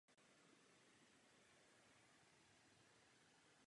Podle plánu byl komplex reaktoru těžce poškozen.